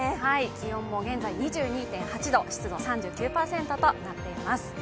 気温も現在２２．８度、湿度３９％となっています。